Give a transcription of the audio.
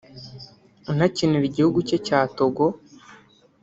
unakinira igihugu cye cya Togo